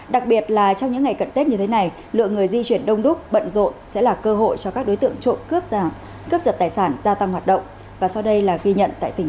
đặc biệt là trong những ngày cận tết như thế này lượng người di chuyển đông đúc bận rộn sẽ là cơ hội cho các đối tượng trộm cướp giật tài sản